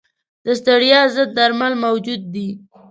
د ستړیا ضد درمل موجود دي.